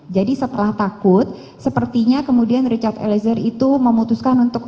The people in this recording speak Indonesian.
jadi setelah takut sepertinya kemudian richard eliezer itu memutuskan untuk